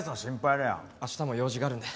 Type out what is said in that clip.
明日も用事があるので。